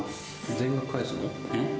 全額返すの？